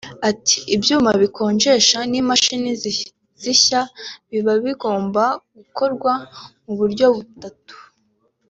Ati “ Ibyuma bikonjesha n’imashini zisya biba bigomba gukorwa mu buryo butatu